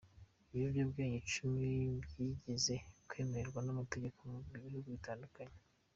Ibiyobyabwenge icumi byigeze kwemerwa n’amategeko mu bihugu bitandukanye